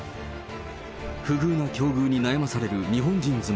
不遇な境遇に悩まされる日本人妻。